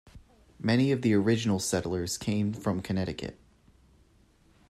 Many of the original settlers came from Connecticut.